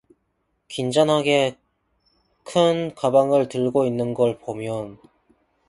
굉장하게 큰 가방을 들고 있는걸 보면